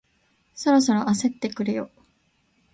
そろそろ焦ってくるよ